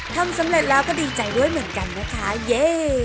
ทำสำเร็จแล้วก็ดีใจด้วยเหมือนกันนะคะเย่